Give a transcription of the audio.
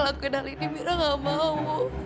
lakukan hal ini mira gak mau